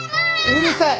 うるさい！